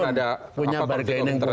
ya saya punya bagaimanapun